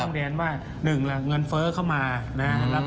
เรียนว่า๑เงินเฟ้อเข้ามานะครับ